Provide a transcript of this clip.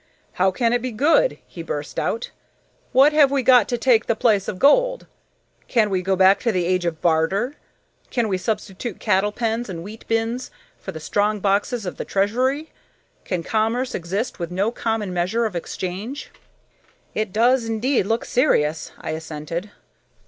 "How can it be good?" he burst out. "What have we got to take the place of gold? Can we go back to the age of barter? Can we substitute cattle pens and wheat bins for the strong boxes of the Treasury? Can commerce exist with no common measure of exchange?" "It does indeed look serious," I assented.